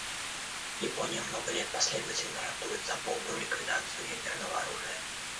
Япония много лет последовательно ратует за полную ликвидацию ядерного оружия.